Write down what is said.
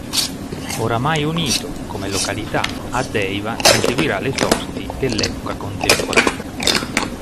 Oramai unito, come località, a Deiva ne seguirà le sorti dell'epoca contemporanea.